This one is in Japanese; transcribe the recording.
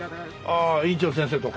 ああ院長先生とか？